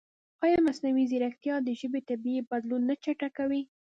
ایا مصنوعي ځیرکتیا د ژبې طبیعي بدلون نه چټکوي؟